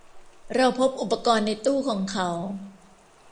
เราพบอุปกรณ์ในตู้ของเขา